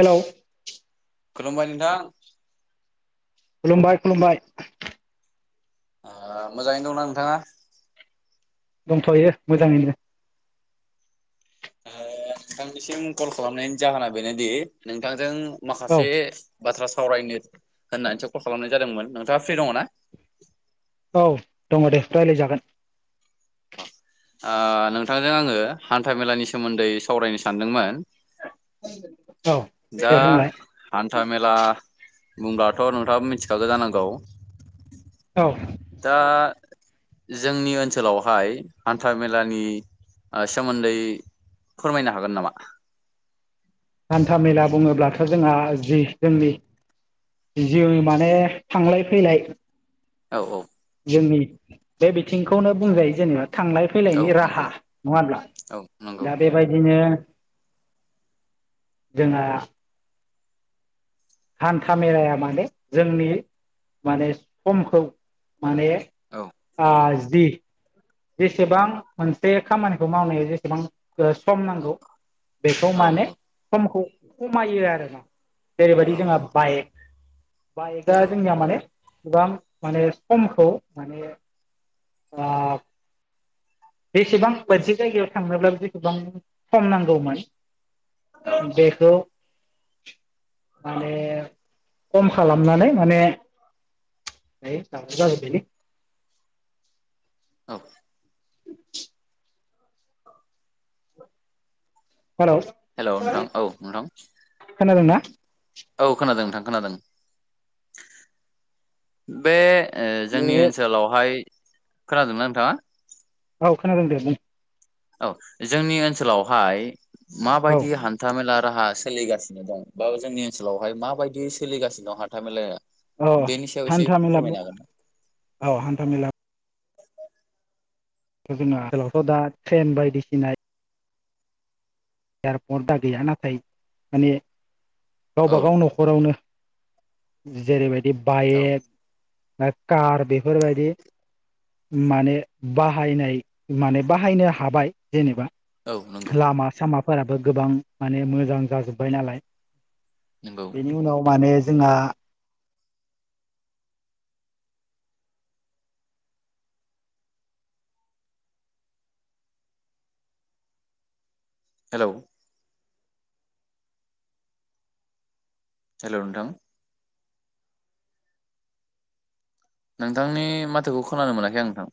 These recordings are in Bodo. हेल' खलुमबाय नोंथां खलुमबायबाय- खलुमबायबाय। मोजाङैनो दंना नोंथाङा? दंथ'यो मोजाङैनो। ओ नोंथांनिसिम कल खालामनायनि जाहोना बेनोदि नोंथांजों औ माखासे बाथ्रासो सावरायनो होननानैसो कल खालामनाय जादोंमोन नोंथाङा फ्रि दङ ना? औ दङ दे रायज्लायजागोन। ओ नोंथांजों आंङो हान्था मेलानि सोमोन्दै सावरायनो सानदोंमोन! [unintelligible] दा दे बुंलाय हान हान्था मेला बुंब्लाथ' नोंथाङा मिथिखागौ जानांगौ? औ दा जोंनि ओनसोलावहाय हान्था मेलानि ओ सोमोन्दै फोरमायनो हागोन नामा? हान्था मेला बुङोब्लाथ' जोंहा जि जोंनि जिवनि माने थांलाय फैलाय औ औ जोंनि बे बिथिंखौनो बुंजायो जेनेबा। थांलाय औ फैलायनि नंगौ राहा नङा होमब्ला औ नंगौ दा बेबायदिनो जोंहा। हान्था मेलाया माने जोंनि माने समखौ माने औ ओ नंगौ जि जेसेबां मोनसे खामानिखौ मावनायाव जेसेबां ओ सम नांगौ बेखौ औ माने नंगौ समखौ खमायो आरोना। जेरैबायदि औ जोंहा नंगौ बाइक बाइकआ नंगौ जोंनिया माने गोबां माने समखौ माने ओ बेसेबां मोनसे जायगायाव थांनोब्ला बेसेबां सम नांगौमोन। औ औ बेखौ माने खम खालामनानै माने है दावराव जाबाय थायोलै। औ। हेलौ हेलौ नोंथां औ नोंथां। खोनादोंना औ खोनादों नोंथां खोनादों बे ओ जोंनि बे ओनसोलावहाय खोनादोंना नोंथाङा? औ खोनादों दे बुं। औ जोंनि ओनसोलावहाय औ माबायदि हान्था मेला राहा सोलिगासिनो दं। बा जोंनि ओनसोलावहाय माबायदि सोलिगासिनो दं हाथा मेलाया? औ बेनि सायाव एसे हान्था मेला फोरमायनो हागोन ना? औ हान्था मेला। जोंनि ओनसोलावथ' दा ट्रेन बायदिसिना एयारपर्ट दा गैया नाथाय माने औ गावबागाव न'खरावनो जेरैबायदि औ बाइक बा कार बेफोरबायदि माने बाहायनाय माने बाहायनो हाबाय जेनेबा। औ नंगौ लामा सामाफोराबो गोबां माने मोजां जाजोब्बाय नालाय। नंगौ बेनि उनाव माने जोंहा हेलौ हेलौ' नोंथां नोंथांनि माथोखौ खोनानो मोनाखै आं नोंथां।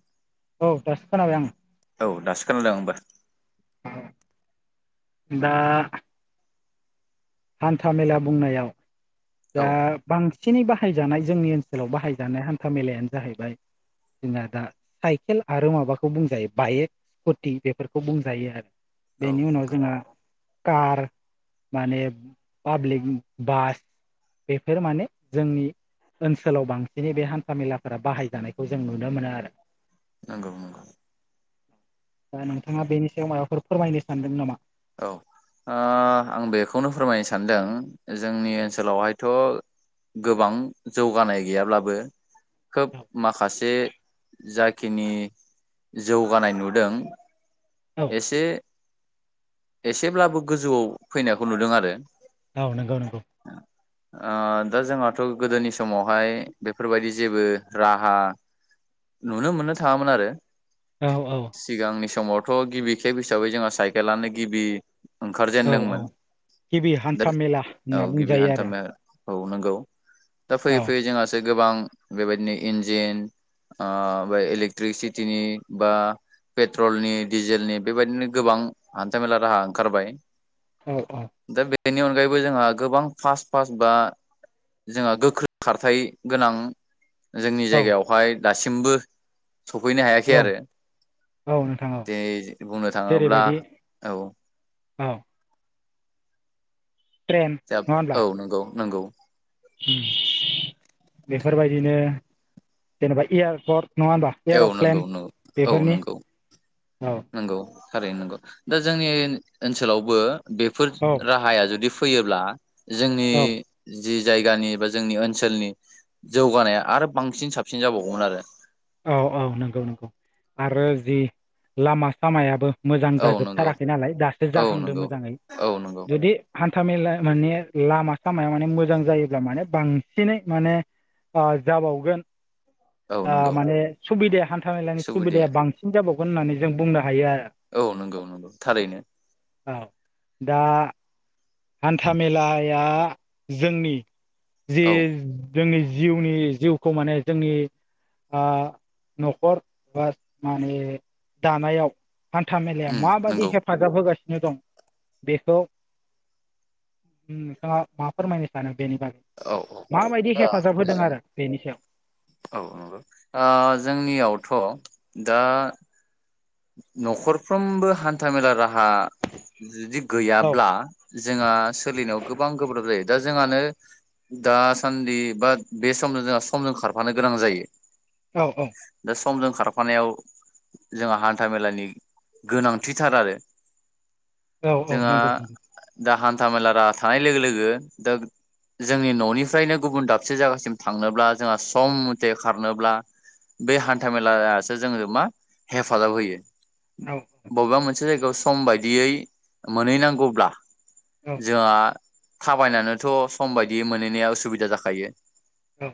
औ दासो खोनाबाय आंङो। औ दसो खोनादोंं आंबो। दा हान्था मेला बुंनायाव औ दा बां सिनै बाहायजानाय जोंनि ओनसोलाव बाहायजानाय हान्था मेलायानो जाहैबाय जोंना दा साइकेल आरो माबाखौ बुंजायो बाइक स्कुटि बेफोरखौ बुंजायो आरो। बेनि उनाव नंगौ जोंहा कार माने पाब्लिक बास बेफोर माने जोंनि ओनसोलाव बांसिनै बे हान्था मेलाफोरा बाहायजानायखौ जों नुनो मोनो आरो। नंगौ नंगौ। दा नोंथाङा बेनि सायाव माबाफोर फोरमायनो सानदों नामा? औ। ओ आं बेखौनो फोरमायनो सानदों जोंनि ओनसोलावहायथ'। गोबां जौगानाय गैयाब्लाबो खोब माखासे जाखिनि जौगानाय नुदों औ एसे एसेब्लाबो गोजौआव फैनायखौ नुदों आरो। औ नंगौ नंगौ। ओ दा जोंहाथ' गोदोनि समावहाय बेफोरबायदि जेबो राहा नुनो मोननो थाङामोन आरो। औ औ सिगांनि समावथ' गिबि खेब हिसाबै जोंहा साइकेलानो गिबि औ औ ओंखारजेेनदोंमोन। गिबि हान्था मेला होनना औ गिबि बुंजायो हान्था आरो औ नंगौ दा औ फैयै-फैयै जोंहासो गोबां बेबायदिनो इन्जिन ओ इलेक्ट्रिसिटिनि बा पेट्रलनि दिडिजेलनि बेबायदिनो गोबां हान्थ मेला राहा ओंखारबाय। औ औ दा बेनि अनगायैबो जोंहा गोबां फास्ट फास्ट बा जोंहा गोख्रों खारथाय गोनां जोंनि औ जायगायावहाय दासिमबो सफैनो हायाखै औ आरो। औ नोंथां औ दिनै बुंनो थाङोब्ला जेरैबायदि औ औ ट्रेन जा नङा होनब्ला औ नंगौ नंगौ। बेफोरबायदिनो जेनेबा एयारपर्ट नङा होमबा औ नंगौ एर'प्लेन नंगौ औ बेफोरनि नंगौ औ नंगौ थारैनो नंगौ। दा जोंनि ओनसोलावबो बेफोर औ राहाया जुदि फै- फैयोब्ला जोंनि औ जि जायगानि बा जोंनि ओनसोलनि जौगानाया आरो बांसिन साबसिन जाबावगौमोन आरो। औ औ नंगौ नंगौ आरो जि लामा सामायाबो मोजां औ नंगौ जाजोबथाराखै नालाय दासो औ जाहांदो नंगौ मोजाङै। औ नंगौ जुदि तामिल माने लामा-सामाया माने मोजां जायोब्ला माने बांसिनै माने जाबावगोन। औ ओ नंगौ। माने सुबिदाया हान्था मेलानि सुबिदाया सुबुदिया बांसिन जाबावगोन होननानै जों बुंनो हायो आरो। औ नंगौ नंगौ थारैनो। औ दा हान्था मेलाया जोंनि जि औ जोंनि जिउनि जिउखौ माने जोंनि ओ न'खर बा माने दानायाव हान्था मेलाया उम माबादि नंगौ हेफाजाब होगासिनो दं बेखौ नोंथाङा मा फोरमायनो सानो? बेनि बागै औ औ माबायदि दा हेफाजाब होदों जों आरो बेनि सायाव। औ नंगौ ओ जोंनियावथ' दा न'खरफ्रोमबो हान्था मेला राहा जुदि औ गैयाब्ला जोंहा सोलिनायाव गोबां गोब्राब जायो। दा जोंहानो दासान्दि बा बे समजों जोंहा समजों खारफानो गोनां जायो। औ औ दा समजों खारफानायाव जोंहा हान्था मेलानि गोनांथिथार आरो। औ औ जोंहा नंगौ दा हान्था मेला राहा थानाय लोगो लोगो दा जोंनि न'निफ्रायनो गुबुन दाबसे जायगासिम थांनोब्ला जोंहा सम मथे खारनोब्ला बे हान्था मेेलायासो जोंनो मा हेफाजाब होयो। नंगौ बबेबा मोनसे जायगायाव सम बायदियै मोनहैनांगौब्ला औ जोंहा थाबायनानैथ' सम बायदि मोनहैनाया उसुबिदा जाखायो। औ।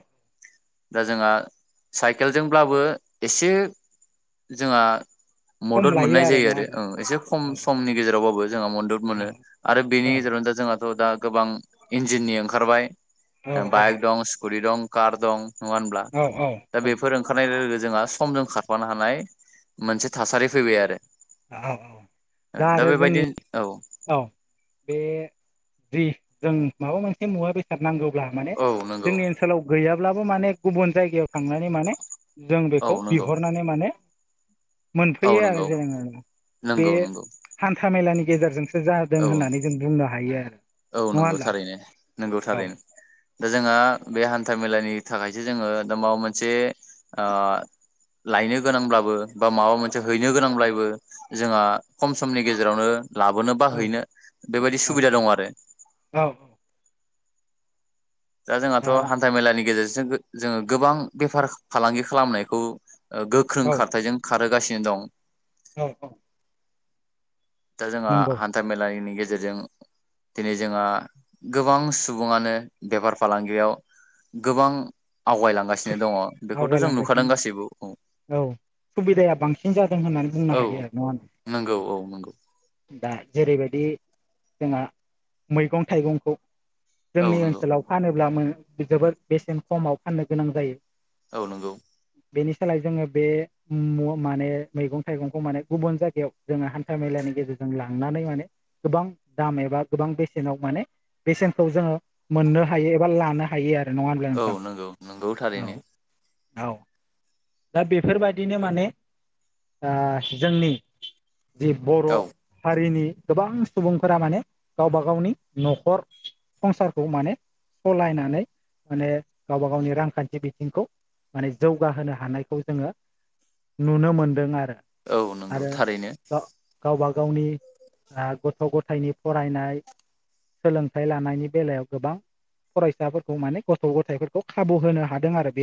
दा जोंहा साइकेलजोंब्लाबो एसे जोंहा सम मदद लायो मोननाय जायो नङा आरो होनबा ओ एसे खम औ समनि गेजेरावबाबो जों मदद मोनो आरो बेनि औ गेजेरावनो दा जोंहाथ' दा गोबां इन्जिननि ओंखारबाय औ बाइक दं स्कुटि दं कार दं नङा होनब्ला औ दा औ बेफोर ओंखारनाय जोंहा समजों खारफानो हानाय मोनसे थासारि फैबाय आरो औ औ दा आरो जोंनि बेबायदिनो औ औ बे जि जों माबा मोनसे मुवा बेसाद नांगौ। ब्ला माने औ नंगौ जोंनि ओनसोलाव गैयाब्लाबो माने गुबुन जायगायाव थांनानै माने जों औ बेखौ नंगौ बिहरनानै माने औ मोनफैयो आरो नंगौ जो बे नंगौ नंगौ हान्था मेलानि गेजेरजों जादों औ होननानै जों बुंनो हायो आरो औ नङा नंगौ होनब्ला थारैनो नंगौ औ थारैनो दा जोंहा बे हान्था मेलानि थाखायसो जोङो दा माबा मोनसे लायनो गोनांब्लाबो बा माबा मोनसे हैनो गोनांब्लाबो जोंहा खम समनि गेजेरावनो लाबोनो बा औ हैनो बेबायदि सुबिदा दं आरो औ औ दा जोंहाथ' हान्था मेलानि गेजेरजों जोङो गोबां बेफार फालांगि खालामनायखौ गोख्रों औ खारथायजों खारहोगासिनो दं। औ औ। दा जोंहा नंगौ हान्था मेलानि गेजेराव गेजेरजों दिनै जोंहा गोबां सुबुङानो बेफार फालांगियाव गोबां आवगायलांगासिनो दंङ बेखौथ' जों नुखादों आवगायलांगासिनो गासिबो औ सुबिदाया बांसिन जादों होननानै बुंनो हायो आरो ना होन नंगौ औ नंगौ दा जेरैबायदि जोंहा मैगं थाइगंखौ औ जोंनि नंगौ ओनसोलाव फानोब्ला जोबोद बेसेन खमाव फाननो गोनां जायो औ नंगौ। बेनि सोलाय जोङो बे माने मैगं थाइगंखौ माने गुबुन जायगायाव जोङो हान्था मेलानि गेजेरजों लांनानै माने गोबां दाम एबा गोबां बेसेनाव माने बेसेन जो मोननो हायो एबा लानो हायो आरो नङा होनब्ला औ नोंथां नंगौ नंगौ औ। थारैनो औ दा बेफोरबायदिनो माने जोंनि जि बर' औ हारिनि गोबां सुबुंफोरा माने गावबा गावनि न'खर संसारखौ माने सालायनानै माने गावबा गावनि रांखान्थि बिथिंखौ माने जौगाहोनो हानायखौ जोङो नुनो मोनदों आरो औ नंगौ आरो थारैनो गावबागाव गावनि गथ' गथायनि फरायनाय सोलोंथाइ लानायनि बेलायाव गोबां फरायसाफोरखौ माने गथ' गथायाइफोरखौ खाबु होनो हादों आरो बे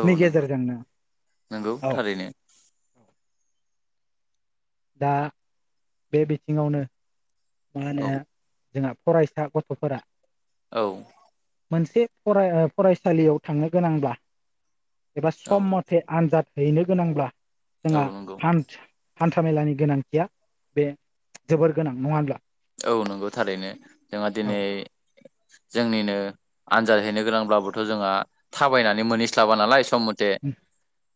औ नंगौ गेजेरजोंनो नंगौ औ औ थारैनो दा बे बिथिङावनो मा होनो औ जोंहा फरायसा गथ'फोरा औ मोनसे फ फरायसालियाव थांनो गोनांब्ला एबा औ सम मथे आनजाद हैनो गोनांब्ला औ जोंहा नंगौ हान हान्था मेलानि गोनांथिया बे जोबोर गोनां नंङा होनब्ला औ नंगौ थारैनो जोंहा औ दिनै जोंनिनो आनजाद हैैनो गोनांब्लाबोथ' जोंहा थाबायनानै मोनहैस्लाबा नालाय सम मथे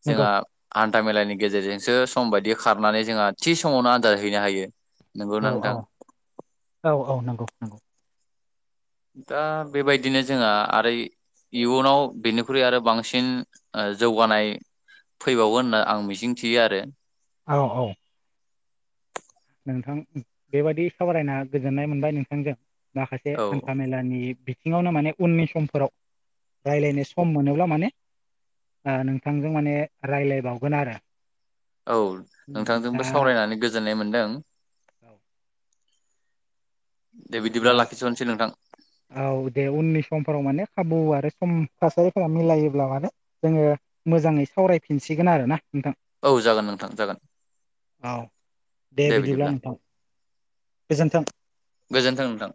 नंगौ जोंहा हान्थामेलानि गेजेरजोंसो सम बायदि खारनानै जोंहा थि समावनो आदार हैैनो हायो नंगौना औ औ नोंथां औ औ नंगौ नंगौ दा बेबायदिनो जोंहा आरो इयुनाव बिनिख्रुइ आरो बांसिन जौगानाय फैबावो होनना आं मिजिं थियो आरो औ औ नोंथां बेबायदि सावरायना गोजोननाय मोनबाय नोंथांजों माखासे औ हान्था मेलानि सिङावनो माने उननि समफोराव रायज्लायनो सम मोनोब्ला माने नोंथांजों माने रायज्लायबावगोन आरो औ नोंथांजोंबो सावरायनानै गोजोननाय मोन्दों औ दे बिदिब्ला दा लाखिथ'नोसै नोंथां औ दे उननि समफोराव माने खाबु आरो सम थासारिफोरा मिलायोब्ला माने जोङो मोजाङै सावरायफिनसिगोन आरो ना नोंथां औ जागोन नोंथां जागोन औ दे बिदिब्ला नोंथां गोजोन्थों गोजोन्थों नोंथां